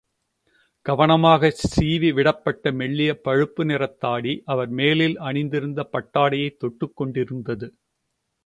கவனமாகச் சீவி விடப்பட்ட மெல்லிய பழுப்பு நிறத்தாடி அவர் மேலில் அணிந்திருந்த பட்டாடையைத் தொட்டுக் கொண்டிருந்தது.